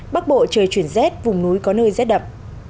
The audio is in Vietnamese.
bắc bộ trời chuyển rét vùng núi có nơi rét đậm